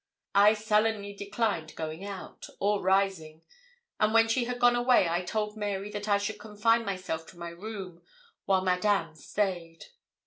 I sullenly declined going out, or rising; and when she had gone away, I told Mary that I should confine myself to my room while Madame stayed.